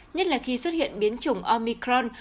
nhất là khi xuất hiện biến chủng omicron